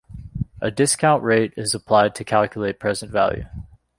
A "discount rate" is applied to calculate present value.